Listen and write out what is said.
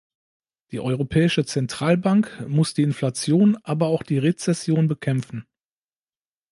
Die Europäische Zentralbank muss die Inflation, aber auch die Rezession bekämpfen.